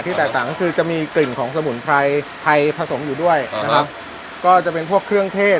แตกต่างก็คือจะมีกลิ่นของสมุนไพรไทยผสมอยู่ด้วยนะครับก็จะเป็นพวกเครื่องเทศ